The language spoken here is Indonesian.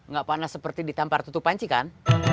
gak panas seperti ditampar tutup panci kan